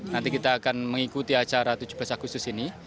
nanti kita akan mengikuti acara tujuh belas agustus ini